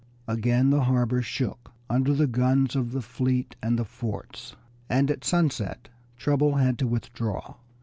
Again the harbor shook under the guns of the fleet and the forts, and at sunset Preble had to withdraw.